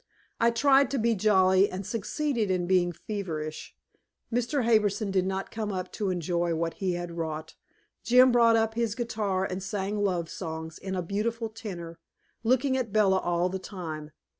I tried to be jolly, and succeeded in being feverish. Mr. Harbison did not come up to enjoy what he had wrought. Jim brought up his guitar and sang love songs in a beautiful tenor, looking at Bella all the time.